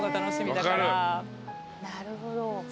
なるほど。